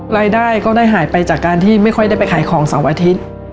รายได้ก็ได้หายไปจากการที่ไม่ค่อยได้ไปขายของเสาร์อาทิตย์